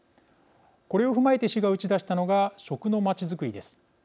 これを踏まえて市が打ち出したのが食のまちづくりです。